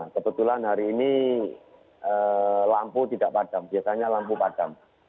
kebetulan hari ini lampu tidak padam biasanya lampu padam